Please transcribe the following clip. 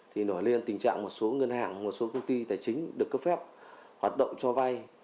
thì nổi lên tình trạng một số ngân hàng một số công ty tài chính được cấp phép hoạt động cho vay